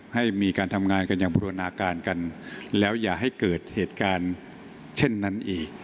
ให้มีการทำงานกันอย่างบริวนาการกันแล้วอย่าให้เกิดเหตุการณ์เช่นนั้นอีก